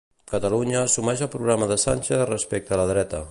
Catalunya assumeix el programa de Sánchez respecte la dreta.